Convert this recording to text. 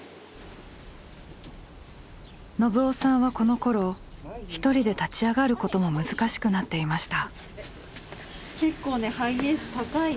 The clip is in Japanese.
信男さんはこのころ一人で立ち上がることも難しくなっていました。